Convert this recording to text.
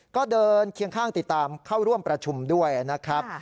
ก็เดินเคียงข้างติดตามเข้าร่วมประชุมด้วยนะครับ